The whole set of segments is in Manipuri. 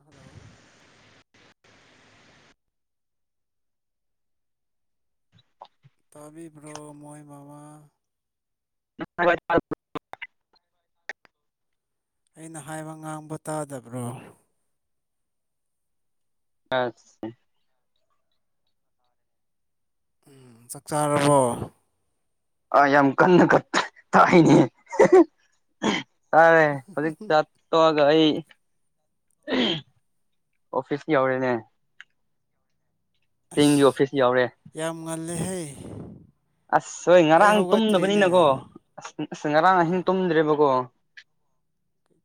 ꯍꯂꯣ ꯀꯥꯕꯤꯕ꯭ꯔꯣ ꯃꯣꯏ ꯃꯃꯥ [unintelligible] ꯑꯩꯅ ꯍꯥꯏꯕ ꯉꯥꯡꯕ ꯇꯥꯗꯕ꯭ꯔꯣ ꯑꯁꯦ ꯎ ꯆꯥꯛ ꯆꯥꯔꯕꯣ ꯑ ꯌꯥꯝ ꯀꯟꯅ ꯀꯠ ꯇꯥꯏꯅꯤ ꯆꯥꯔꯦ ꯍꯧꯖꯤꯛ ꯆꯥ ꯇꯣꯛ ꯑꯗꯨꯒ ꯑꯩ ꯑꯣꯐꯤꯁ ꯌꯧꯔꯦꯅꯦ ꯆꯤꯡꯒꯤ ꯑꯁ ꯑꯣꯐꯤꯁ ꯌꯧꯔꯦ ꯌꯥꯝ ꯉꯜꯂꯦꯍꯦ ꯑꯁ ꯍꯣꯏ ꯑꯩ ꯉꯔꯥꯡ ꯍꯧꯒꯠꯇ꯭ꯔꯤꯅꯦ ꯇꯨꯝꯗꯕꯅꯤꯅꯀꯣ ꯑꯁ ꯑꯁ ꯉꯔꯥꯡ ꯑꯍꯤꯡ ꯑꯥ ꯇꯨꯝꯗ꯭ꯔꯦꯕꯀꯣ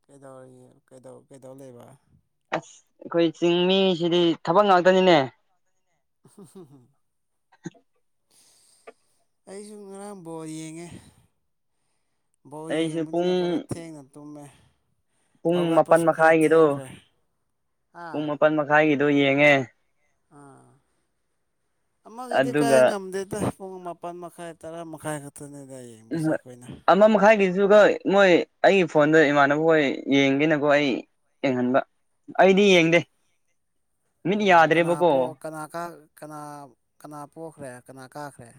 ꯀꯩꯗꯧꯔꯤ ꯀꯩꯗꯧ ꯀꯩꯗꯧ ꯂꯩꯕ ꯑꯁ ꯑꯩꯈꯣꯏ ꯆꯤꯡ ꯃꯤꯁꯤꯗꯤ ꯊꯕꯛ ꯉꯥꯛꯇꯅꯤꯅꯦ ꯍꯝ ꯑꯩꯁꯨ ꯉꯔꯥꯡ ꯕꯣꯜ ꯌꯦꯡꯉꯦ ꯕꯣꯜ ꯑꯩꯁꯨ ꯄꯨꯡ ꯌꯦꯡꯕꯅꯤꯅ ꯈꯔ ꯊꯦꯡꯅ ꯇꯨꯝꯃꯦ ꯄꯨꯡ ꯃꯥꯄꯜ ꯍꯧꯒꯠꯄꯁꯨ ꯈꯔ ꯃꯈꯥꯏꯒꯤꯗꯣ ꯊꯦꯡꯈ꯭ꯔꯦ ꯑꯥ ꯄꯨꯡ ꯃꯥꯄꯜ ꯃꯈꯥꯏꯒꯤꯗꯣ ꯌꯦꯡꯉꯦ ꯑꯥ ꯑꯃꯒꯤꯗꯤ ꯀꯥꯏ ꯑꯗꯨꯒ ꯉꯝꯗꯦꯗ ꯄꯨꯡ ꯃꯥꯄꯜ ꯃꯈꯥꯏ ꯇꯔꯥ ꯃꯥꯈꯥꯏ ꯎꯝ ꯍꯣꯏ ꯑꯃ ꯃꯈꯥꯏꯒꯤ ꯗꯨꯒ ꯃꯣꯏ ꯑꯩꯒꯤ ꯐꯣꯟꯗ ꯏꯃꯥꯟꯅꯕ ꯍꯣꯏ ꯌꯦꯡꯒꯦꯅꯀꯣ ꯑꯩ ꯌꯦꯡꯍꯟꯕ ꯑꯩꯗꯤ ꯌꯦꯡꯗꯦ ꯃꯤꯠ ꯑꯣ ꯀꯅꯥ ꯌꯥꯗ꯭ꯔꯦꯕꯀꯣ ꯀꯅꯥ ꯄꯣꯛꯈ꯭ꯔꯦ ꯀꯅꯥ ꯀꯥꯈ꯭ꯔꯦ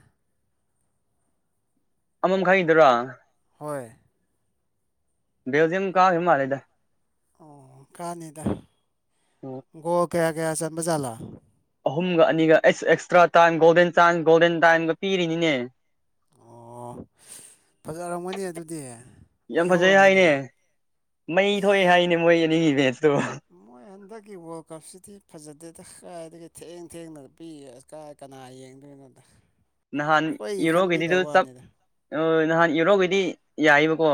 ꯑꯃ ꯃꯈꯥꯏ ꯒꯤꯗꯨꯔꯣ ꯍꯣꯏ ꯕꯦꯜꯖꯤꯌꯝ ꯀꯥꯈꯤ ꯃꯜꯂꯦꯗꯥ ꯑꯣ ꯀꯥꯅꯤꯗ ꯑꯣ ꯒꯣꯜ ꯀꯌꯥ ꯀꯌꯥ ꯆꯟꯕꯖꯥꯠꯂꯥ ꯑꯍꯨꯝꯒ ꯑꯅꯤꯒ ꯑꯩꯁ extra time golden chance golden ꯇꯥꯏꯝꯒ ꯄꯤꯔꯤꯅꯤꯅꯦ ꯑꯣ ꯐꯖꯔꯝꯒꯅꯤ ꯑꯗꯨꯗꯤ ꯌꯥꯝ ꯃꯩ ꯐꯖꯩ ꯍꯧꯔꯝꯒꯅꯤ ꯍꯥꯏꯅꯦ ꯃꯩ ꯊꯣꯛꯑꯦ ꯍꯥꯏꯅꯦ ꯃꯣꯏ ꯑꯅꯤ ꯔꯦꯁꯇꯣ ꯃꯣꯏ ꯍꯟꯗꯛꯀꯤ ꯋꯥꯔꯜ ꯀꯞꯁꯤꯗꯤ ꯐꯖꯗꯦꯗ ꯀꯗꯥꯏꯗꯒꯤ ꯊꯦꯡ ꯊꯦꯡꯅ ꯄꯤ ꯑꯁ ꯀꯥꯏ ꯀꯅꯥ ꯌꯦꯡꯗꯣꯏ ꯗ ꯅꯍꯥꯟ ꯌꯨꯔꯣꯒꯤꯗꯤꯗꯨ ꯆꯞ ꯅꯍꯥꯟ ꯌꯨꯔꯣꯒꯤꯗꯤ ꯌꯥꯏꯕꯀꯣ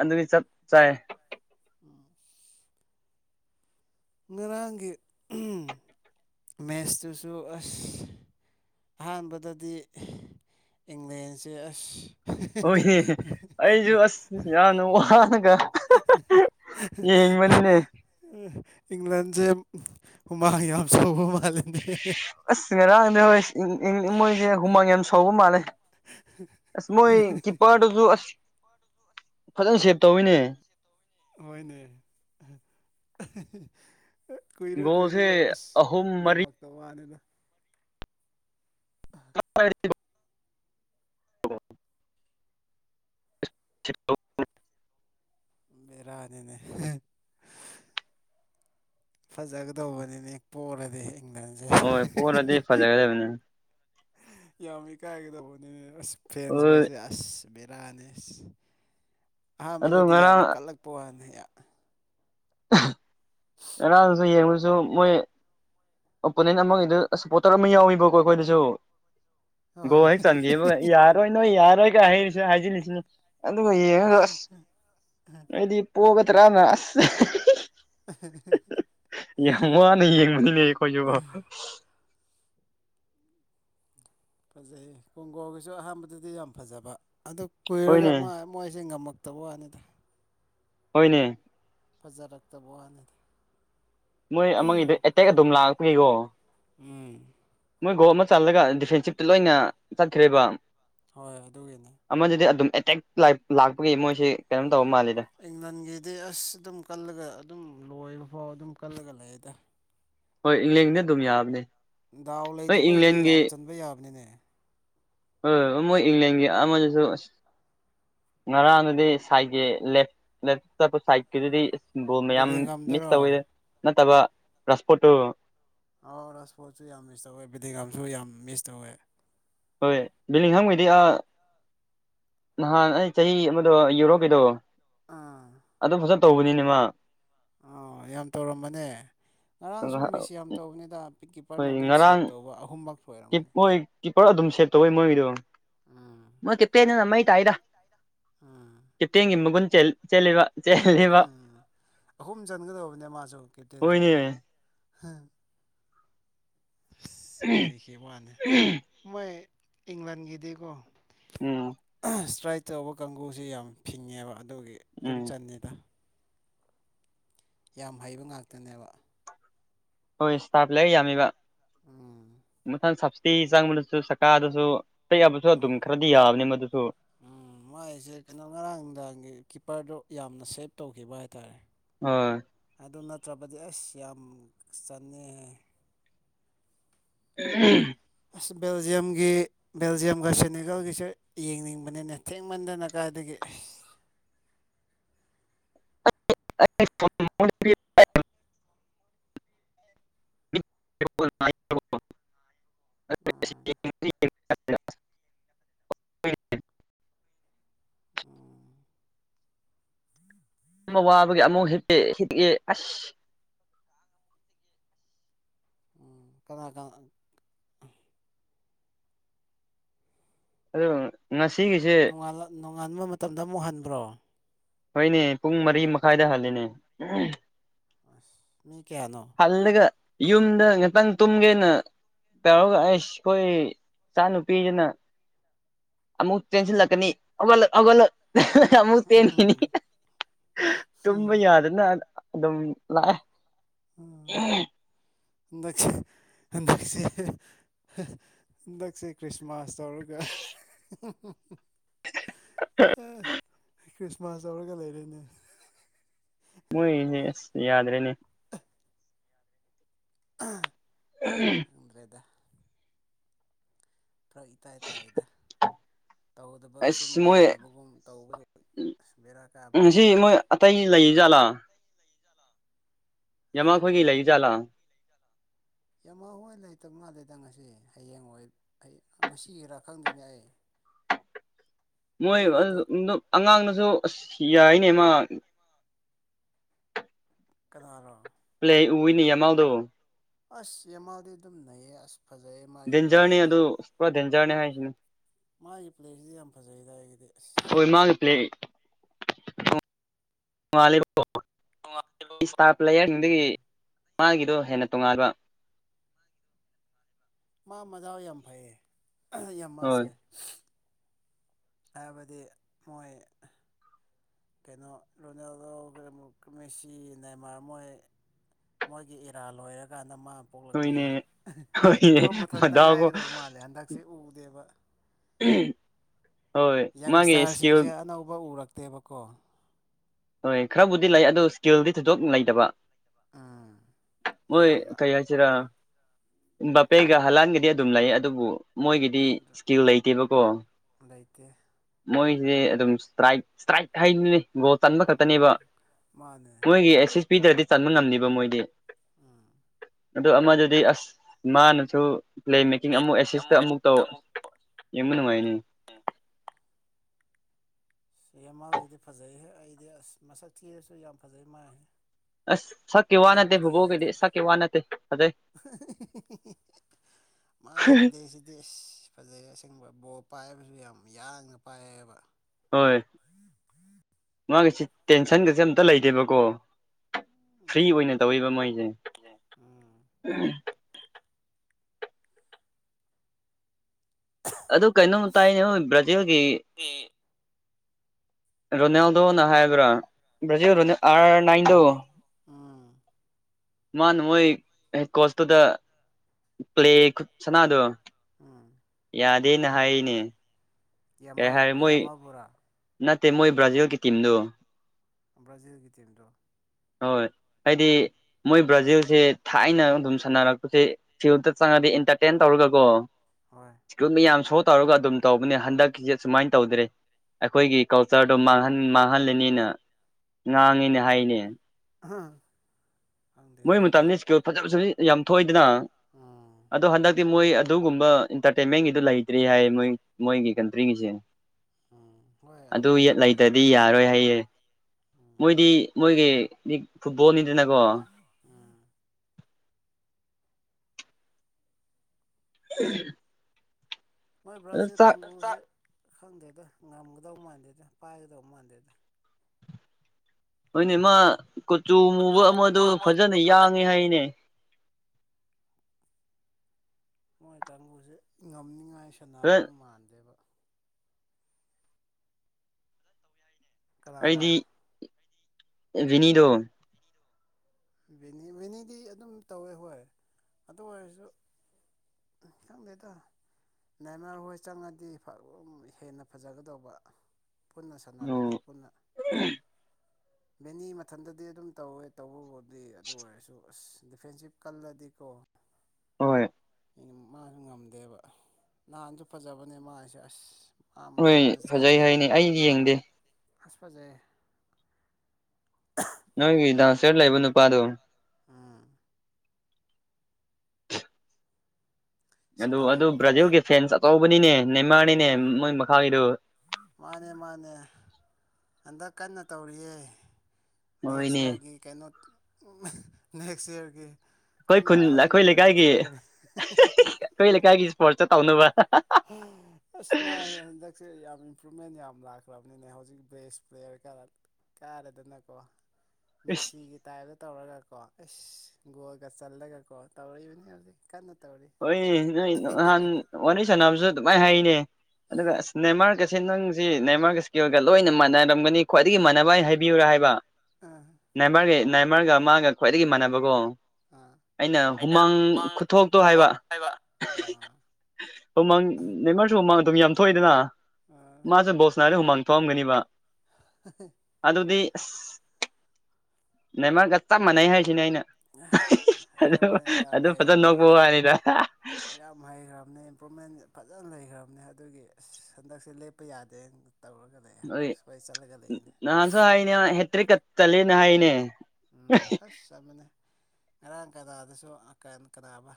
ꯑꯗꯨꯒꯤ ꯆꯞ ꯆꯥꯏ ꯉꯔꯥꯡꯒꯤ ꯃꯦꯠꯁꯇꯨꯁꯨ ꯑꯁ ꯑꯍꯥꯟꯕꯗꯗꯤ ꯏꯪꯂꯦꯟꯁꯦ ꯑꯁ ꯍꯣꯏꯍꯦ ꯑꯩꯁꯨ ꯑꯁ ꯌꯥꯝꯅ ꯋꯥꯅꯒ ꯌꯦꯡꯕꯅꯤꯅꯦ ꯏꯪꯂꯖꯦ ꯍꯨꯃꯥꯡ ꯌꯥꯝ ꯁꯧꯕ ꯃꯜ ꯑꯁ ꯉꯔꯥꯡꯗꯤ ꯍꯣꯏ ꯏꯃꯣꯏꯁꯦ ꯍꯨꯃꯥꯡ ꯌꯥꯝ ꯁꯧꯕ ꯃꯥꯜꯂꯦ ꯑꯁ ꯃꯣꯏ ꯀꯤꯞꯄꯔ ꯗꯨꯁꯨ ꯐꯖꯅ ꯁꯦꯚ ꯇꯧꯋꯤꯅꯦ ꯍꯣꯏꯅꯦ ꯀꯨꯏꯔ ꯒꯣꯜꯁꯦ ꯀꯨꯏꯔꯒ ꯑꯁ ꯑꯍꯨꯝ ꯃꯔꯤ ꯉꯝꯃꯛꯇ ꯋꯥꯅꯤꯅ ꯀ [unintelligible] ꯕꯦꯔꯥꯅꯤꯅꯦ ꯐꯖꯒꯗꯧꯕꯅꯤꯅꯦ ꯄꯣꯔꯥꯗꯤ ꯁꯦ ꯍꯣꯏ ꯄꯣꯔꯗꯤ ꯐꯖꯒꯗꯕꯅꯤ ꯌꯥꯝꯃꯤ ꯀꯥꯏꯒꯗꯕꯅꯦ ꯑꯁ ꯐꯦꯟꯁ ꯍꯣꯏ ꯍꯥꯏꯁꯦ ꯑꯁ ꯕꯦꯔꯥꯅꯤꯁ ꯑꯗꯣ ꯑꯍꯥꯟꯕꯗꯗꯤ ꯌꯥꯝ ꯉꯔꯥꯡ ꯀꯜꯂꯛꯄ ꯋꯥꯅꯤ ꯍ ꯉꯔꯥꯡꯁꯨ ꯌꯦꯡꯉꯁꯨ ꯃꯣꯏ ꯑꯣꯄꯣꯅꯦꯟ ꯑꯃꯒꯤꯗ ꯁꯄꯣꯔꯇꯔ ꯑꯃ ꯌꯥꯎꯏꯕꯀꯣ ꯑꯩꯈꯣꯏꯗꯁꯨ ꯒꯣ ꯍꯣꯏ ꯍꯩ ꯆꯟꯕ ꯌꯥꯔꯣꯏ ꯅꯣꯏ ꯌꯥꯔꯣꯏ ꯀ ꯍꯥꯏꯁ ꯍꯥꯏꯖꯤꯜꯂꯤꯁꯤꯅ ꯑꯗꯨꯒ ꯌꯦꯡꯉꯗꯣ ꯑꯁ ꯅꯣꯏꯗꯤ ꯄꯣꯛꯒ ꯇ꯭ꯔꯥꯝꯅ ꯑꯁ ꯌꯥꯝ ꯋꯥꯅ ꯌꯦꯡꯕꯅꯤꯅꯦ ꯑꯩꯈꯣꯏꯁꯨꯕ ꯐꯖꯩ ꯈꯣꯡꯒꯣꯒꯤꯁꯨ ꯑꯍꯥꯟꯕꯗꯗꯤ ꯌꯥꯝ ꯐꯖꯕ ꯑꯗꯨ ꯀꯨꯏꯔꯒ ꯍꯣꯏꯅꯦ ꯑꯃ ꯃꯣꯏꯁꯦ ꯉꯝꯃꯛꯄ ꯇꯕꯨ ꯑꯅꯤꯗ ꯍꯅꯦ ꯐꯖꯔꯛꯇꯕ ꯋꯥꯅꯗꯤ ꯃꯣꯏ ꯑꯃꯒꯤꯩꯗ ꯑꯦꯇꯦꯛ ꯑꯗꯨꯝ ꯂꯥꯛꯄꯒꯤꯀꯣ ꯎꯝ ꯃꯣꯏ ꯒꯣ ꯑꯃ ꯆꯜꯂꯒ ꯗꯤꯐꯦꯟꯁꯤꯞꯇ ꯂꯣꯏꯅ ꯆꯠꯈ꯭ꯔꯦꯕ ꯍꯣꯏꯣꯏ ꯑꯗꯨꯒꯤꯅꯤ ꯑꯃꯗꯨꯗꯤ ꯑꯗꯨꯝ ꯑꯦꯇꯦꯛ ꯂꯥꯛꯄꯒꯤ ꯃꯣꯏꯁꯦ ꯀꯩꯅꯣꯝ ꯇꯧꯕ ꯃꯥꯜꯂꯤꯗ ꯏꯪꯂꯟꯒꯤꯗꯤ ꯑꯁ ꯑꯗꯨꯝ ꯀꯜꯂꯒ ꯑꯗꯨꯝ ꯂꯣꯏꯕ ꯐꯥꯎ ꯑꯗꯨꯝ ꯀꯜꯂꯒ ꯂꯩꯗ ꯍꯣꯏ ꯏꯪꯂꯦꯟꯗꯤ ꯑꯗꯨꯝ ꯌꯥꯕꯅꯦ ꯗꯥꯎ ꯍꯣꯏ ꯂꯩꯇꯕꯒꯤꯅꯦ ꯌꯥꯝ ꯆꯟꯕ ꯌꯥꯕꯅꯤꯅꯦ ꯍ ꯃ ꯏꯪꯪꯂ꯭ꯂꯦꯟꯒꯤꯁꯨ ꯉꯔꯥꯡ ꯑꯗꯨꯗꯤ ꯁꯥꯏꯠꯒꯤ ꯂꯦꯐ ꯂꯦꯐ ꯆꯠꯄ ꯁꯥꯏꯠꯀꯤꯗꯨꯗꯤ ꯕꯣꯜ ꯃꯌꯥꯝ ꯃꯤꯁ ꯇꯧꯋꯤ ꯕꯦꯂꯤꯡꯒꯥꯝꯗꯨꯔꯣ ꯅꯠꯇꯕ ꯔꯁꯄꯣꯔꯠꯇꯨ ꯑ ꯔ ꯏꯁꯄꯣꯔꯠꯁꯨ ꯌꯥꯝ ꯃꯤꯁ ꯇꯧꯋꯦ ꯕ꯭ꯔꯤꯗꯤꯤꯡꯒꯥꯁꯨ ꯌꯥꯝ ꯃꯤꯁ ꯇꯧꯋꯦ ꯍꯣꯏ ꯑꯗꯨ ꯅꯤꯡꯈꯥꯡꯉꯩꯗꯤ ꯅꯍꯥꯟ ꯑꯩ ꯆꯍꯤ ꯑꯃꯗꯣ ꯌꯨꯔꯣꯀꯤꯗꯣ ꯑꯥ ꯇꯧꯕꯅꯤꯅꯦ ꯃꯥ ꯑ ꯌꯥꯝ ꯇꯧꯔꯝꯕꯅꯦ ꯉꯔꯥꯡꯁꯨ ꯃꯤꯁ ꯌꯥꯝ ꯇꯧꯕꯅꯤꯗ ꯄꯤꯛꯀꯤꯤꯞꯄꯔꯅ ꯑꯗꯨꯝ ꯁꯦꯞ ꯇꯧꯕ ꯑꯍꯨꯝꯃꯛ ꯑꯣꯏꯔꯝꯒꯅꯤ ꯄꯣꯏ ꯤꯞꯄꯔ ꯑꯗꯨꯝ ꯁꯦꯞ ꯇꯧꯋ ꯃꯣꯏꯒꯤꯗꯣ ꯎꯝ ꯃꯣꯏ ꯀꯦꯞꯇꯦꯟꯗꯅ ꯃꯩ ꯇꯥꯏꯗ ꯎꯝ ꯆꯠꯇ ꯌꯦ ꯃꯒꯨꯟ ꯆꯦꯜ ꯆꯦꯦꯜꯕ ꯎꯝ ꯑꯍꯨꯝ ꯆꯟꯒꯗꯕꯅꯦ ꯃꯥꯁꯨ ꯀꯦꯇꯦꯟꯁꯨ ꯍꯣꯏꯅꯦ ꯎꯝ ꯑꯁ ꯂꯩꯈꯤ ꯋꯥꯅꯦ ꯃꯣꯏ ꯏꯪꯂꯦꯟꯒꯤꯗꯤꯀꯣ ꯎꯝ ꯏꯁꯇ꯭ꯔꯥꯏꯛ ꯇꯧꯕ ꯀꯥꯡꯒꯨꯁꯦ ꯌꯥꯝ ꯐꯤꯡꯉꯦꯕ ꯑꯗꯨꯒꯤ ꯑꯗꯨꯝ ꯎꯝ ꯆꯟꯉꯦꯗ ꯌꯥꯝ ꯍꯩꯕ ꯉꯥꯛꯇꯅꯦꯕ ꯍꯣꯏ ꯏꯁꯇꯥꯐ ꯂꯩꯔ ꯌꯥꯝꯃꯤꯕ ꯎꯝ ꯃꯊ ꯇꯤ ꯆꯥꯡꯁꯨ ꯁꯀꯥꯁꯨ ꯎꯝ ꯎꯝ ꯃꯥꯏꯁꯦ ꯀꯩꯅꯣ ꯉꯔꯥꯡꯗꯥꯒꯤ ꯀꯤꯞꯄꯔꯗꯣ ꯌꯥꯝꯅ ꯁꯦꯞ ꯇꯧꯈꯤꯕ ꯍꯥꯏꯇꯥꯔꯦ ꯑꯥ ꯑꯗꯨ ꯅꯠꯇ꯭ꯔꯕꯗꯤ ꯑꯁ ꯌꯥꯝ ꯆꯅꯩ ꯎ ꯑꯁ ꯕꯦꯜꯖꯤꯌꯝꯒꯤ ꯕꯦꯜꯖꯤꯌꯝꯒ ꯁꯦꯅꯤꯒꯜꯒꯤꯁꯨꯦ ꯌꯦꯡꯅꯤꯡꯕꯅꯤꯅꯦ ꯊꯦꯡꯃꯟꯗꯅ ꯀꯥꯏꯗꯒꯤ ꯎꯝ [inaudible] ꯎꯝ ꯌꯥꯝ ꯋꯥꯕꯒꯤ ꯑꯃꯨꯛ ꯍꯤꯞꯄꯦ ꯍꯤꯠꯑꯦ ꯑꯁ ꯀꯅꯥ ꯀꯅꯥ ꯑꯗꯣ ꯉꯁꯤꯒꯤꯁꯦ ꯅꯣꯡꯉꯥꯜꯂ ꯅꯣꯡꯉꯥꯟꯕ ꯃꯇꯝꯗ ꯑꯃꯨꯛ ꯍꯟꯕ꯭ꯔꯣ ꯍꯣꯏꯅꯦ ꯄꯨꯡ ꯃꯔꯤ ꯃꯈꯥꯏꯗ ꯍꯜꯂꯤꯅꯦ ꯑꯁ ꯀꯌꯥꯅꯣ ꯍꯜꯂꯒ ꯌꯨꯝꯗ ꯉꯥꯛꯇꯪ ꯇꯨꯝꯒꯦꯅ ꯇꯧꯔꯒ ꯑꯩꯁ ꯑꯩꯈꯣꯏ ꯏꯆꯥ ꯅꯨꯨꯄꯤꯁꯤꯅ ꯑꯃꯨꯛ ꯇꯦꯟꯁꯤꯟꯂꯀꯅꯤ ꯍꯧꯒꯠꯂꯣ ꯍꯧꯒꯠꯂꯣ ꯑꯃꯨꯛ ꯇꯦꯟꯈꯤꯅꯤ ꯇꯨꯝꯕ ꯌꯥꯗꯅꯅ ꯑꯗꯨꯝ ꯂꯥꯛꯑꯦ ꯗꯁ ꯗꯁꯤ ꯗꯁꯤ ꯀ꯭ꯔꯤꯁꯃꯥꯁ ꯇꯧꯔꯒ ꯈ꯭ꯔꯤꯁꯃꯥꯁ ꯌꯧꯔꯒ ꯂꯩꯔꯦꯅꯦ ꯃꯣꯏꯁꯦ ꯑꯁ ꯌꯥꯗ꯭ꯔꯦꯅꯦ [inaudible] ꯐꯔꯛ ꯏꯇꯥꯏ ꯇꯥꯏꯗ ꯇꯧꯗꯕ ꯁꯨꯝ ꯑꯁ ꯃꯣꯏ ꯌꯥꯗꯕꯒꯨꯝ ꯇꯧꯕꯁꯨ ꯉꯁꯤ ꯃꯣꯏ ꯑꯇꯩ ꯂꯩ ꯖꯥꯠꯂꯥ ꯌꯦꯃꯥꯈꯣꯏꯒꯤ ꯂꯩ ꯖꯥꯠꯂꯥ [inaudible] ꯌꯥꯝ ꯃꯍ ꯍꯣꯏ ꯂꯩꯇꯕ ꯃꯥꯜꯂꯦꯗ ꯉꯁꯤ ꯍꯌꯦꯡ ꯍ ꯉꯁꯤꯒꯤꯔ ꯈꯪꯗꯦꯅꯦ ꯑꯩ [inaudible] ꯃꯣꯏ ꯑꯩꯒꯤꯗꯣ ꯑꯉꯥꯡꯅꯁꯨ ꯑꯁ ꯌꯥꯏꯅꯦ ꯃꯥ ꯀꯅꯥꯅꯣ ꯄꯂꯦ ꯎꯅꯤ ꯌꯥꯃ ꯑꯣꯗ ꯑꯁ ꯌꯃꯗ ꯑꯗꯨꯝ ꯅꯌꯦ ꯑꯁ ꯐꯖꯩꯌꯦ ꯃꯥꯒꯤ ꯗꯦꯟꯖꯥꯔꯅꯤ ꯄ꯭ꯂꯦꯁꯤꯗꯤ ꯑꯗꯨ ꯄꯨꯔꯥ ꯗꯦꯟꯖꯥꯔꯅꯤ ꯍꯥꯏꯁꯤꯅꯤ ꯃꯥꯒꯤ ꯄ꯭ꯂꯦꯁꯁꯤꯗꯤ ꯌꯥꯝ ꯐꯖꯩꯗ ꯑꯩꯒꯤꯗꯤ ꯑꯁ ꯍꯣꯏ ꯃꯥꯒꯤ ꯄ꯭ꯂꯦ ꯎꯝ [unintelligible] ꯃꯥꯒꯤꯗꯣ ꯍꯦꯟꯅ ꯇꯣꯉꯥꯟꯕ ꯃꯥ ꯃꯗꯥꯎ ꯌꯥꯝ ꯐꯩꯌꯦ ꯌꯥꯝ ꯍꯣꯏ ꯃꯥꯁꯦ ꯇꯕꯗꯤ ꯃꯣꯏ ꯀꯩꯅꯣ ꯂꯣꯗ ꯃꯦꯁꯤ ꯅꯥꯏꯃꯥꯔꯃꯣꯏ ꯃꯣꯏꯒꯤ ꯏꯔꯥꯜ ꯂꯣꯏꯔꯀꯥꯟꯗ ꯃꯥ ꯍꯣꯏꯅꯦ ꯄꯣꯛꯂꯛꯄꯁꯦ ꯍꯣꯏꯅꯦ ꯃ ꯃꯊꯟꯇ ꯃꯗꯥꯎꯀꯣ ꯉꯥꯏꯒꯗꯕ ꯃꯥꯜꯂꯦ ꯍꯟꯗꯛꯁꯦ ꯎꯗꯦꯕ ꯎꯝ ꯌꯪꯁꯇꯥꯔꯁꯤꯡꯁꯦ ꯑꯅꯧꯕ ꯎꯔꯛꯇꯦꯕꯀꯣ ꯍꯣꯏ ꯈꯔꯕꯨꯗꯤ ꯂꯩ ꯑꯗꯨꯣ ꯏꯁꯀꯤꯜꯗꯤ ꯊꯣꯏꯗꯣꯛ ꯂꯩꯇꯕ ꯎꯝ ꯍꯣꯏ ꯌꯥꯝꯅ ꯀꯩꯍꯥꯢꯁꯤꯔꯥ ꯕꯥꯄꯦꯒ ꯍꯂꯥꯟꯒꯗꯤ ꯑꯗꯨꯝ ꯂꯩ ꯑꯗꯨꯕꯨ ꯃꯣꯏꯒꯤꯗꯤ ꯏꯁꯀꯤꯜ ꯂꯩꯇꯦꯕꯀꯣ ꯂꯩꯇꯦ ꯃꯣꯏ ꯑꯗꯨꯝ ꯏꯁꯇ꯭ꯔꯥꯏꯛ ꯍꯥꯏꯗꯨꯅꯤ ꯒꯣꯜ ꯆꯟꯕ ꯈꯛꯇꯅꯦꯕ ꯎꯝ ꯃꯥꯅꯦ ꯃꯣꯏꯒꯤꯁꯤ ꯄꯤꯗ꯭ꯔꯗꯤ ꯆꯟꯕ ꯉꯝꯅꯦꯕ ꯃꯣꯏꯗꯤ ꯎꯝ ꯑꯗꯨ ꯑꯃꯗꯨꯗꯤ ꯑꯁ ꯃꯥꯅꯁꯨ ꯄ꯭ꯂꯦ ꯃꯦꯀꯤꯡ ꯑꯃꯨꯛ ꯑꯦꯁꯤꯁꯇ ꯑꯃꯨꯛ ꯇꯧ ꯌꯦꯡꯕ ꯅꯨꯡꯉꯥꯏꯅꯤ ꯁꯤ ꯃꯥꯥꯎꯁꯤꯗꯤ ꯐꯖꯩꯍꯦ ꯑꯩꯗꯤ ꯑꯁ ꯃꯁꯛ ꯊꯤꯔꯁꯨ ꯌꯥꯝ ꯐꯖꯩ ꯃꯥꯏꯍꯦ ꯑꯁ ꯁꯛꯀꯤ ꯋꯥ ꯅꯠꯇꯦ ꯚꯣꯕꯣꯛꯈꯩꯗꯤ ꯁꯛꯀꯤ ꯋꯥ ꯅꯠꯇꯦ ꯑꯗꯩ ꯃꯥꯒꯤ ꯄ꯭ꯂꯦꯁꯁꯤꯗꯤ ꯑꯁ ꯐꯖꯩ ꯑꯁꯦꯡꯕ ꯕꯣꯞ ꯄꯥꯏꯕꯁꯨ ꯌꯥꯝ ꯌꯥꯡꯅ ꯄꯥꯏꯌꯦꯕ ꯍꯣꯏ ꯃꯥꯒꯤꯁꯤ ꯇꯦꯟꯁꯟꯒꯁꯦ ꯑꯝꯇ ꯂꯩꯇꯦꯕꯀꯣ ꯐ꯭ꯔꯤ ꯎꯝ ꯑꯣꯏꯅ ꯇꯧꯕ ꯃꯣꯏꯁꯦ ꯎꯝ ꯑꯗꯨ ꯀꯩꯅꯣꯝꯇꯥꯏꯅꯦ ꯍꯣꯏ ꯕ꯭ꯔꯥꯖꯤꯜꯒꯤ ꯔꯣꯅꯥꯜꯗꯣꯅ ꯍꯥꯏꯕ꯭ꯔꯥ ꯕ꯭ꯔꯖꯤ ꯑꯥꯔ ꯅꯥꯏꯟꯗꯣ ꯎꯝ ꯃꯥꯅ ꯃꯣꯏ ꯍ ꯀꯣꯁꯇꯨꯗ ꯄ꯭ꯂꯦ ꯁꯅꯥꯗꯣ ꯎꯝ ꯌꯥꯗꯦꯅ ꯍꯥꯏꯅꯦ ꯌꯥꯃꯜ ꯌꯥꯃꯜꯕꯣꯔꯥ ꯅꯦ ꯃꯣꯏ ꯭ꯔꯥꯖꯤꯜ ꯀ ꯇꯤꯝꯅꯣ ꯕ꯭ꯔꯥꯖꯤꯜꯒꯤ ꯇꯤꯝꯗ ꯍꯣꯏ ꯍꯥꯏꯗꯤ ꯃꯣꯏ ꯕ꯭ꯔꯥꯖꯤꯜꯁꯦ ꯊꯥꯏꯅ ꯑꯗꯨꯝ ꯁꯥꯟꯅꯔꯛꯄꯁꯦ ꯐꯤꯜꯗ ꯆꯪꯉꯗꯤ ꯑꯦꯟꯇꯔꯇꯦꯟ ꯇꯧꯔꯒ ꯀꯣ ꯍꯣꯏ ꯁꯀꯨꯜ ꯃꯌꯥꯝ ꯁꯣ ꯇꯧꯔꯒ ꯑꯗꯨꯝ ꯇꯧꯕꯅꯦ ꯍꯟꯗꯛꯁꯦ ꯁꯨꯃꯥꯏꯅ ꯇꯧꯗ꯭ꯔꯦ ꯑꯩꯈꯣꯏꯒꯤ ꯀꯜꯆꯔꯗꯣ ꯃꯥꯡꯍꯟ ꯃꯥꯡꯍꯜꯂꯅꯤꯅ ꯉꯥꯡꯉꯤꯅ ꯍꯥꯏꯅꯦ ꯍꯥꯥ ꯃꯣꯏ ꯃꯇꯗ ꯏꯁꯀꯌꯣꯔ ꯐꯖꯕꯁꯨ ꯌꯥꯝ ꯊꯣꯛꯏꯗꯅ ꯎꯝ ꯑꯗꯣ ꯍꯟꯗꯛꯇꯤ ꯃꯣꯏ ꯑꯗꯨꯒꯨꯝꯕ ꯏꯟꯇꯔꯇꯦꯟꯃꯦꯟꯒꯤꯗꯨꯣ ꯂꯩꯇ꯭ꯔꯤ ꯍꯥꯏ ꯃꯣꯏ ꯃꯣꯏꯒꯤ ꯀꯟꯇ꯭ꯔꯤꯒꯤꯁꯦ ꯎꯝ ꯍꯣꯏ ꯑꯗꯨ ꯑꯗꯨꯃꯥꯏꯅ ꯑꯣꯏ ꯂꯩꯇꯗꯤ ꯌꯥꯔꯣꯏ ꯍꯥꯏꯌꯦ ꯎꯝ ꯃꯣꯏꯗꯤ ꯃꯣꯏꯒꯤ ꯕꯣꯅꯤꯗꯅꯅꯥꯀꯣ ꯎꯝ [unintelligible] ꯃꯣꯏ ꯑꯗꯨ ꯕ꯭ꯔꯥꯖꯤꯜ ꯆꯥꯛ ꯀ ꯈꯪꯗꯦꯗ ꯉꯝꯒꯗꯧ ꯃꯥꯟꯗꯦꯗ ꯄꯥꯏꯒꯗꯧ ꯃꯥꯟꯗꯦꯗ ꯍꯣꯏꯅꯦ ꯏ ꯃꯥ ꯀꯆꯨ ꯃꯨꯕ ꯑꯃꯗꯨ ꯐꯖꯅ ꯌꯥꯡꯉꯦ ꯍꯥꯏꯅꯦ ꯃꯣꯏ ꯀꯥꯡꯕꯨꯁꯦ ꯉꯝꯅꯤꯉꯥꯏ ꯁꯥꯟꯅꯕ ꯈꯔ ꯃꯥꯟꯗꯦꯕ ꯀꯥꯔꯥ ꯅꯤꯗꯣ ꯚꯦꯅꯤꯗꯤ ꯑꯗꯨꯝ ꯇꯧꯋꯦ ꯍꯣꯏ ꯑꯗꯨ ꯑꯣꯏꯔꯁꯨ ꯂꯩꯣꯏꯗ ꯅꯥꯏꯃꯔ ꯍꯣꯏ ꯆꯪꯉꯗꯤ ꯍꯦꯟꯅ ꯐꯖꯒꯗꯧꯕ ꯄꯨꯟꯅ ꯑꯣ ꯁꯥꯟꯅꯔꯗꯤ ꯄꯨꯟꯅ ꯕꯦꯅꯤ ꯃꯊꯟꯗꯗꯤ ꯑꯗꯨꯝ ꯇꯧꯋꯦ ꯇꯧꯕ ꯗꯤ ꯑꯗꯨ ꯑꯣꯏꯔꯁꯨ ꯑꯁ ꯗꯤꯐꯦꯟꯁꯤꯞ ꯀꯜꯂꯗꯤꯀꯣ ꯍꯣꯏ ꯃꯥꯁꯨ ꯉꯝꯗꯦꯕ ꯅꯍꯥꯟꯁꯨ ꯐꯖꯕꯅꯦ ꯃꯥꯁꯦ ꯑꯁ ꯃꯥ ꯍꯣꯏ ꯃꯊꯟꯇ ꯐꯖꯩ ꯆꯦꯜꯂꯒ ꯍꯥꯏꯅꯤ ꯑꯩ ꯌꯦꯡꯗꯦ ꯑꯁ ꯄꯖꯩ ꯅꯣꯏꯗꯥꯁꯦꯔ ꯂꯩꯕ ꯅꯨꯄꯥꯗꯣ ꯑꯥ ꯑꯗꯨ ꯁꯪꯒꯝ ꯑꯗꯨ ꯕ꯭ꯔꯥꯖꯤꯜꯒꯤ ꯐꯦꯟꯁ ꯑꯆꯧꯕꯅꯤꯅꯦ ꯅꯅꯤꯃꯥꯅꯤꯅꯦ ꯎꯝ ꯃꯣꯏ ꯃꯈꯥꯒꯤꯗꯨ ꯃꯥꯅꯦ ꯃꯥꯅꯦ ꯍꯟꯗꯛ ꯀꯟꯅ ꯇꯧꯔꯤꯌꯦ ꯅꯦꯛꯁ ꯍꯣꯏꯅꯦ ꯏꯌꯥꯔꯒꯤ ꯀꯩꯅꯣ ꯅꯦꯛꯁ ꯏꯌꯥꯔꯒꯤ ꯑꯩꯈꯣꯏ ꯀꯟꯅ ꯈꯨꯟ ꯍꯧꯖꯤꯛ ꯑꯩꯈꯣꯏ ꯄ꯭ꯔꯦꯛꯇꯤꯁ ꯂꯩꯀꯥꯏꯒꯤ ꯇꯧꯔꯤ ꯑꯩꯈꯣꯏ ꯂꯩꯀꯥꯏꯒꯤ ꯏꯁꯄꯣꯔꯠꯇ ꯇꯧꯅꯕ ꯑꯁꯃ ꯗꯁ ꯌꯥꯃꯤ ꯏꯝꯄ꯭ꯔꯨꯚꯃꯦꯟ ꯌꯥꯝ ꯂꯥꯛꯈ꯭ꯔꯕꯅꯤꯅꯦ ꯍꯧꯖꯤꯛ ꯕꯦꯁ ꯄ꯭ꯂꯦꯌꯔ ꯀꯥꯔꯦꯗꯅꯀꯣ ꯃꯤꯦꯁꯤꯒꯤ ꯇꯥꯏꯞꯇ ꯇꯧꯔꯒ ꯀꯣ ꯏꯁꯁ ꯒꯣꯒ ꯆꯜꯂꯒ ꯀꯣ ꯇꯧꯔꯛꯏꯕꯅꯤ ꯍꯧꯖꯤꯛ ꯀꯟꯅ ꯇꯧꯔꯤ ꯍꯣꯏꯅꯦ ꯅꯣꯏ ꯅꯍꯥꯟ ꯋꯥꯔꯤ ꯁꯥꯟꯅꯕꯁꯨ ꯑꯗꯨꯃꯥꯏꯅ ꯍꯅꯦ ꯑꯗꯨꯒ ꯅꯦꯃꯥꯔꯀꯁ ꯅꯪꯁꯤ ꯅꯦꯃꯥꯔꯒꯁꯀꯤ ꯑꯣꯏꯒ ꯂꯣꯏꯅ ꯃꯥꯟꯅꯔꯝꯒꯅꯤ ꯈ꯭ꯋꯥꯏꯗꯒꯤ ꯃꯥꯟꯅꯕ ꯍꯥꯏꯅ ꯍꯥꯏꯕꯤꯌꯨꯔꯥ ꯍꯥꯏꯕ ꯑꯥ ꯏꯃꯔꯒ ꯅꯥꯏꯃꯔꯒ ꯃꯥꯒ ꯈ꯭ꯋꯥꯏꯗꯒꯤ ꯃꯥꯟꯅꯕꯀꯣ ꯑꯥ ꯑꯩꯅ ꯍꯨꯃꯥꯡ ꯈꯨꯊꯣꯛ ꯍꯥꯏꯕ ꯑꯥ ꯍꯨꯃꯥꯡ ꯅꯃꯔꯁꯨ ꯍꯨꯃꯥꯡ ꯑꯗꯨꯝ ꯌꯥꯝ ꯊꯣꯛꯑꯦꯗꯅ ꯑꯥ ꯃꯥꯁꯦ ꯕꯣꯁꯅꯥꯗꯤ ꯍꯨꯃꯥꯡ ꯊꯣꯛꯑꯝꯒꯅꯤꯕ ꯑꯗꯨꯗꯤ ꯅꯦꯃꯥꯔꯒ ꯆꯞ ꯃꯥꯟꯅꯩ ꯍꯥꯏꯁꯤꯅꯦ ꯑꯩꯅ ꯑꯁꯦꯡꯕꯅꯦ ꯌꯥꯝ ꯑꯗꯨꯗ ꯍꯩ ꯐꯖꯅꯧ ꯃꯥ ꯌꯥꯝ ꯍꯩꯈ꯭ꯔꯕꯅꯦ ꯏꯝꯄ꯭ꯔꯨꯚꯃꯦꯟ ꯐꯖꯅ ꯂꯩꯈ꯭ꯔ ꯅꯦ ꯑꯗꯨꯒꯤ ꯑꯁ ꯍꯟꯗꯛꯁꯦ ꯂꯦꯞꯄ ꯌꯥꯗꯦ ꯇꯧꯔꯒ ꯂꯩ ꯍꯣꯏ ꯍꯥꯏꯕ ꯁꯣꯏ ꯆꯠꯂꯒ ꯂꯩꯅꯦ ꯅꯍꯥꯟꯁꯨ ꯍꯥꯏꯅꯦ ꯍꯦꯇ꯭ꯔꯤꯛꯀ ꯆꯜꯂꯦꯅ ꯍꯥꯏꯅꯦ ꯎꯝ ꯑꯁ ꯆꯟꯕꯅꯦ ꯉꯔꯥꯡ ꯀꯅꯥꯗꯁꯨ ꯀꯅꯥꯕ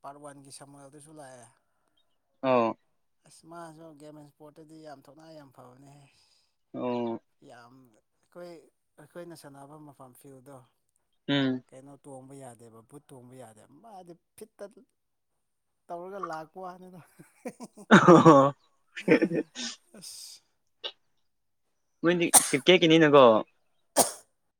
ꯄꯥꯔꯠ ꯋꯥꯟꯒꯤ ꯁꯃꯜꯗꯨꯁꯨ ꯂꯥꯛꯑꯦ ꯑꯧ ꯑꯁ ꯃꯥꯁꯨ ꯒꯦꯝ ꯑꯦꯟ ꯏꯁꯄꯣꯔꯠꯇꯗꯤ ꯌꯥꯝ ꯊꯧꯅꯥ ꯌꯥꯝ ꯐꯕꯅꯦ ꯑꯣ ꯌꯥꯝ ꯑꯩꯈꯣꯏ ꯑꯩꯈꯣꯏꯅ ꯁꯥꯟꯅꯕ ꯃꯄꯥꯥꯟ ꯐ꯭ꯌꯨꯗꯣ ꯎꯝ ꯇꯣꯡꯕ ꯌꯥꯗꯦꯕ ꯕꯨꯠ ꯇꯣꯡꯕ ꯌꯥꯗꯦꯕ ꯃꯥꯗꯤ ꯐꯤꯠꯇ ꯇꯧꯔꯒ ꯂꯥꯛꯄ ꯋꯥꯅꯤꯗ [inaudible] ꯑꯁ ꯃꯣꯏꯗꯤ ꯀꯔꯤꯛꯀꯦꯠ ꯀꯤꯅꯤꯅꯒꯣ